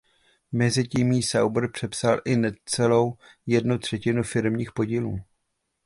Mezi tím jí Sauber přepsal i necelou jednu třetinu firemních podílů.